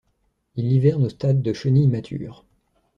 Il hiverne au stade de chenille mature.